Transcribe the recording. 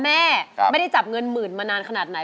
แม่ไม่ได้จับเงินหมื่นมานานขนาดไหน